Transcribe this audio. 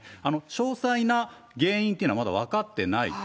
詳細な原因というのはまだ分かってない。